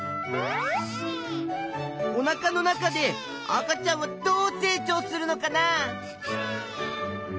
おなかの中で赤ちゃんはどう成長するのかな？